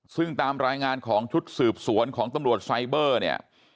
ซึ่งตามรายงานของชุดสืบสวนของตำรวจไซเบอร์เนี่ย